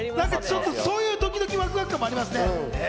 そういうドキドキ、ワクワク感もありますね。